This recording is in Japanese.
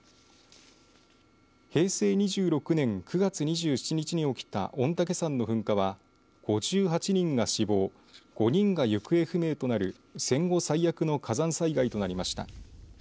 平成２６年９月２７日に起きた御嶽山の噴火は５８人が死亡５人が行方不明となる戦後最悪の火山災害となりました。